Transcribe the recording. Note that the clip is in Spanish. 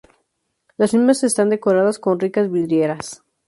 Las mismas están decoradas con ricas vidrieras.